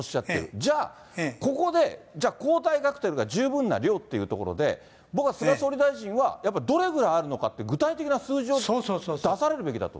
じゃあ、ここで、じゃあ抗体カクテルが十分な量っていうところで、僕は、菅総理大臣は、やっぱどれくらいあるのかって、具体的な数字を出されるべきだと。